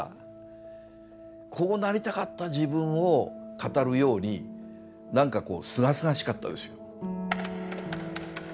こうなりたかった自分を語るようになんかこうすがすがしかったですよ。